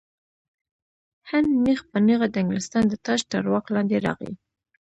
هند نیغ په نیغه د انګلستان د تاج تر واک لاندې راغی.